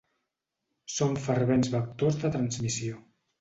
Són fervents vectors de transmissió.